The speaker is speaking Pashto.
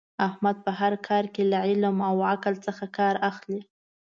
احمد په هر کار کې له علم او عقل څخه کار اخلي.